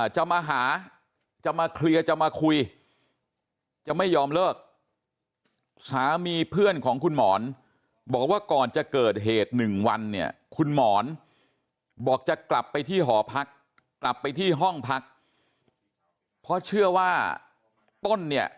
จะมาหาจะมาเคลียร์จะมาคุยจะไม่ยอมเลิกสามีเพื่อนของคุณหมอนบอกว่าก่อนจะเกิดเหตุ๑วันเนี่ยคุณหมอนบอกจะกลับไปที่หอพักกลับไปที่ห้องพักเพราะเชื่อว่าต้นเนี่ย